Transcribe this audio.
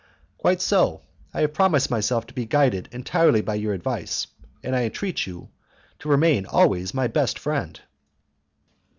"Quite so; I have promised myself to be guided entirely by your advice, and I entreat you to remain always my best friend."